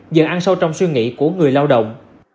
giờ ăn sâu trong suy nghĩ của người lao động